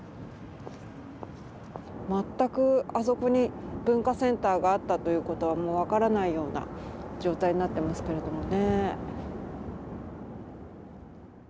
全くあそこに文化センターがあったということはもう分からないような状態になってますけれどもね。